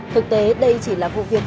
thực tế đây chỉ là vụ việc